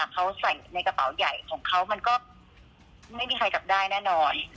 เขาใส่ในกระเป๋าใหญ่ของเขามันก็ไม่มีใครจับได้แน่นอน